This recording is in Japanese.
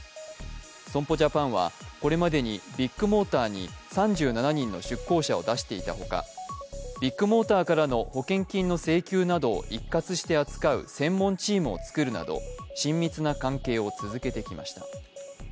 損保ジャパンはこれまでにビッグモーターに３７人の出向者を出していたほか、ビッグモーターからの保険金の請求などを一括して扱う専門チームをつくるなど親密な関係を続けてきました。